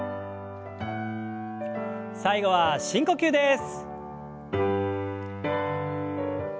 最後は深呼吸です。